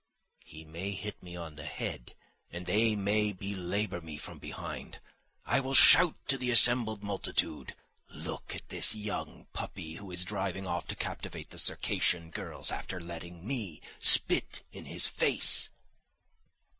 He may hit me on the head and they may belabour me from behind. I will shout to the assembled multitude: "Look at this young puppy who is driving off to captivate the Circassian girls after letting me spit in his face!"